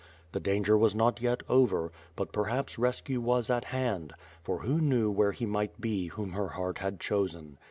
The danger was not yet over, but perhaps rescue was at hand; for who knew where he might be whom her heart had chosen.